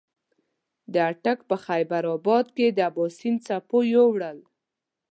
د اټک په خېبر اباد کې د اباسین څپو یوړل.